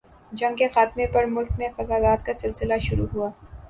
جنگ کے خاتمہ پر ملک میں فسادات کا سلسلہ شروع ہوا۔